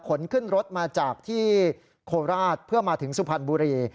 ขนขึ้นรถมาจากที่โคราชเพื่อมาถึงสุพรรณบุรี